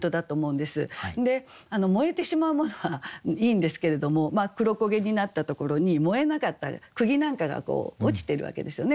で燃えてしまうものはいいんですけれども黒焦げになったところに燃えなかった釘なんかが落ちてるわけですよね。